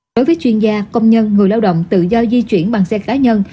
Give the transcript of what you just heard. đối với chuyên gia công nhân người lao động tự do di chuyển bằng xe cá nhân